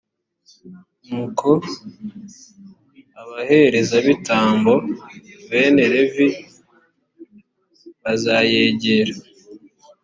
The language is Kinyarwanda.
nuko abaherezabitambo bene levi bazayegere,